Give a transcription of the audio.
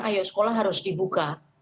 ayo sekolah harus dibuka